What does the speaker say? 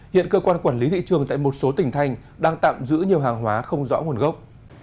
hiện cơ quan quản lý thị trường tại một số tỉnh thành đang tạm giữ nhiều hàng hóa không rõ nguồn gốc